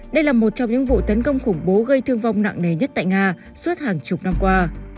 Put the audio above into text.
đây là một trong những vụ tấn công khủng bố gây thương vong nặng nề nhất tại nga suốt hàng chục năm qua